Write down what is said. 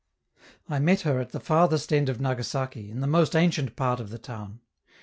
I met her at the farthest end of Nagasaki, in the most ancient part of the town.